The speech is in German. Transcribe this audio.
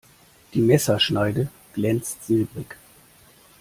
Die Messerschneide glänzte silbrig.